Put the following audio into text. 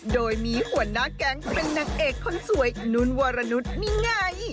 โดยมีหัวหน้าแก๊งเป็นนางเอกคนสวยนุ่นวรนุษย์นี่ไง